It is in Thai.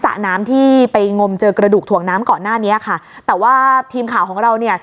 สระน้ำที่ไปงมเจอกระดูกถ่วงน้ำก่อนหน้านี้ค่ะแต่ว่าทีมข่าวของเราเนี่ย